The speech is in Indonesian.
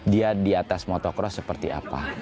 tapi kita harus tahu motor motor seperti apa